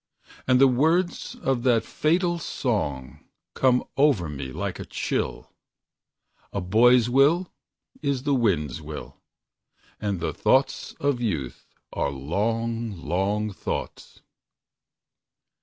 And the words of that fatal song Come over me like a chill: "A boy's will is the wind's will, And the thoughts of youth are long, long thoughts."